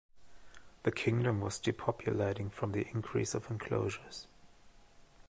The kingdom was depopulating from the increase of enclosures.